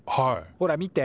ほら見て。